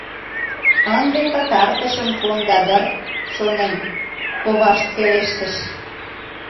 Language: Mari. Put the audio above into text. — Ынде пытартышым конда дыр, шонем, — ковашт пелештыш.